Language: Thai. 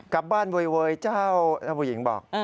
กลับบ้านเวยเจ้าผู้หญิงบอก